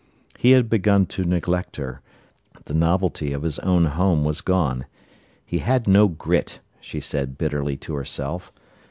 He had begun to neglect her; the novelty of his own home was gone. He had no grit, she said bitterly to herself.